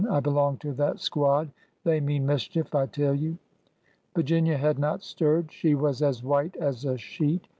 I belong to that squad. They mean mischief, I tell you." Virginia had not stirred. She was white as a sheet.